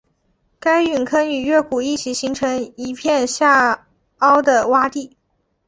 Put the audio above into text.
该陨坑与月谷一起形成一片下凹的洼地。